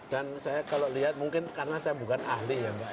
dan saya kalau lihat mungkin karena saya bukan ahli ya mbak